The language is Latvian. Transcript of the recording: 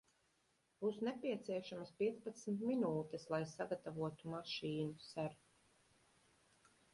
Būs nepieciešamas piecpadsmit minūtes, lai sagatavotu mašīnu, ser.